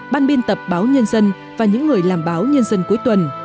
ban biên tập báo nhân dân và những người làm báo nhân dân cuối tuần